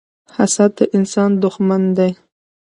حسد د انسان دښمن دی